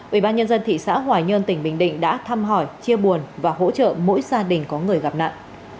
ubnd thị xã hòa nhơn tỉnh bình định đã thăm hỏi chia buồn và hỗ trợ mỗi gia đình có người gặp nạn